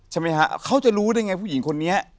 ใช่ไหมฮะเขาจะรู้ได้ไงผู้หญิงคนนี้